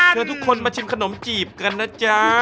ทุกคนมาชิมขนมจีบกันนะจ๊ะ